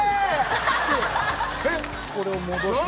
これを戻して。